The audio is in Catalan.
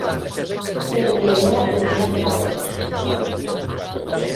Perquè era la primera vegada